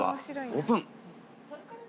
オープン。